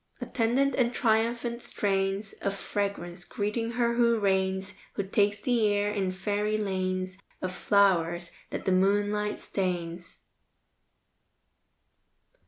Attendant and triumphant strains Of fragrance, greeting her who reigns, Who takes the air in fairy lanes Of flowers, that the moonlight stains.